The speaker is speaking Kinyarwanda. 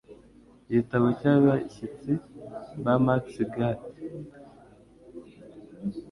Igitabo cy'abashyitsi ba Max Gate